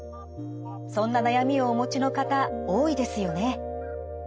そんな悩みをお持ちの方多いですよね。